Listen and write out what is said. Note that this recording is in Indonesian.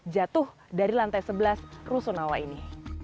jatuh dari lantai sebelas rusunawa ini